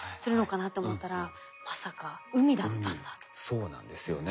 そうなんですよね。